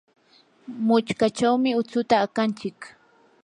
muchkachawmi utsuta aqanchik.